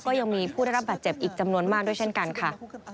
ก็ยังมีผู้ได้รับบาดเจ็บอีกจำนวนมากด้วยเช่นกันค่ะ